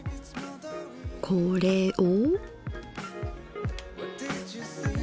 これを。